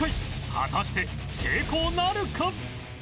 果たして成功なるか？